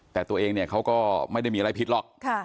แต่ตัวเองเนี่ยเขาก็ไม่ได้มีอะไรผิดหรอก